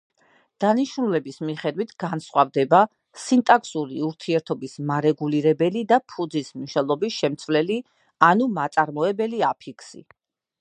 დანიშნულების მიხედვით განსხვავდება: სინტაქსური ურთიერთობის მარეგულირებელი და ფუძის მნიშვნელობის შემცვლელი ანუ მაწარმოებელი აფიქსი.